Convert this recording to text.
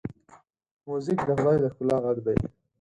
موزیک د خدای د ښکلا غږ دی.